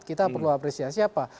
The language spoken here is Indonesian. kita perlu apresiasi apa